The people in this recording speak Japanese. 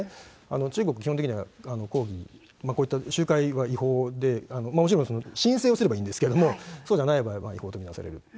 中国、基本的には抗議、こういった集会は違法で、もちろん申請をすればいいんですけれども、そうじゃない場合は違法と見なされる。